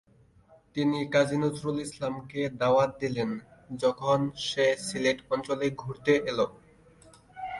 তিনি কাজী নজরুল ইসলামকে দাওয়াত দিলেন যখন সে সিলেট অঞ্চল ঘুরতে এলো।